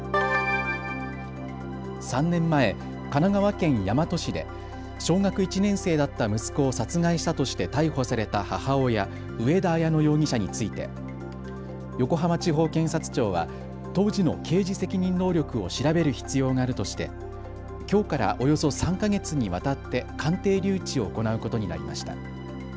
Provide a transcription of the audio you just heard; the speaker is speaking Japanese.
３年前、神奈川県大和市で小学１年生だった息子を殺害したとして逮捕された母親、上田綾乃容疑者について横浜地方検察庁は当時の刑事責任能力を調べる必要があるとしてきょうからおよそ３か月にわたって鑑定留置を行うことになりました。